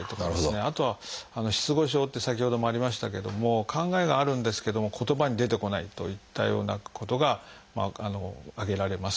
あとは「失語症」って先ほどもありましたけども考えがあるんですけども言葉に出てこないといったようなことが挙げられます。